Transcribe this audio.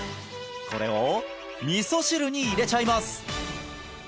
これを味噌汁に入れちゃいます！